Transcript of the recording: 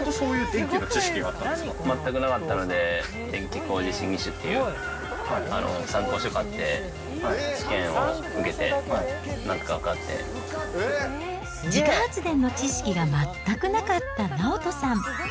全くなかったので、電気工事士二種っていう参考書買って、試験を受けて、自家発電の知識が全くなかった直人さん。